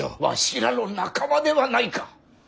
わしらの仲間ではないか。